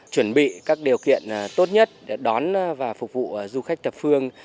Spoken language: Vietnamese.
chuẩn bị các điều kiện tốt nhất để đón và phục vụ du khách thập phương